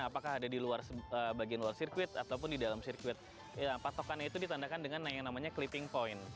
apakah ada di luar bagian luar sirkuit ataupun di dalam sirkuit patokannya itu ditandakan dengan yang namanya cleping point